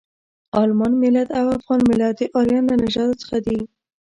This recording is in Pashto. د المان ملت او افغان ملت د ارین له نژاده څخه دي.